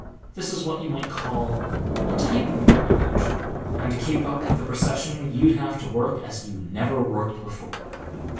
This is what you might call a Type writer Age, and to keep up with the procession you'd have to work as you never worked before."